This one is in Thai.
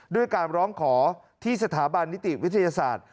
ด้วยการร้องขอที่สถาบันนิติวิทยาศาสตร์